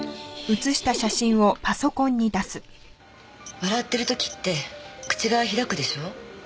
笑ってる時って口が開くでしょ？